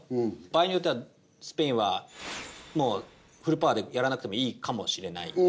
場合によってはスペインはフルパワーでやらなくてもいいかもしれない。